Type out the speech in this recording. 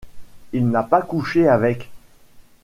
Il n’a pas couché avec...